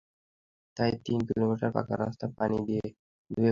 তাই তিন কিলোমিটার পাকা রাস্তা পানি দিয়ে ধুয়ে পরিষ্কার করেছে তারা।